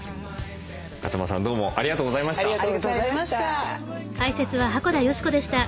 勝間さんどうもありがとうございました。